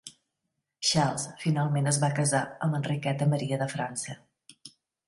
Charles finalment es va casar amb Enriqueta Maria de França.